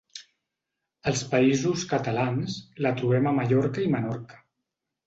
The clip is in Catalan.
Als Països Catalans la trobem a Mallorca i Menorca.